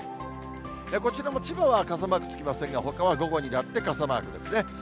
こちらも千葉は傘マークつきませんが、ほかは午後になって傘マークですね。